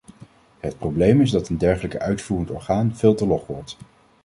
Het probleem is dat een dergelijk uitvoerend orgaan veel te log wordt.